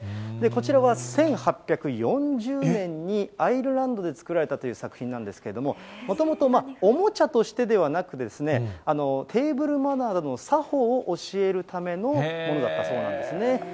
こちらは１８４０年にアイルランドで作られたという作品なんですけれども、もともと、おもちゃとしてではなく、テーブルマナーなどの作法を教えるためのものだったそうなんですね。